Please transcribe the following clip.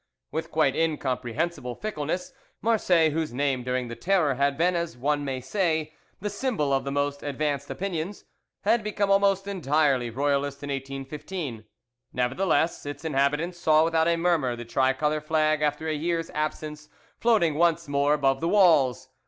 "With quite incomprehensible fickleness, Marseilles, whose name during the Terror had been, as one may say, the symbol of the most advanced opinions, had become almost entirely Royalist in 1815. Nevertheless, its inhabitants saw without a murmur the tricolour flag after a year's absence floating once more above the walls.